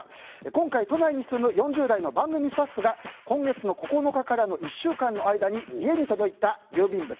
今回、都内に住む４０代の番組スタッフが今月９日からの１週間で家に届いた郵便物。